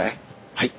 はい。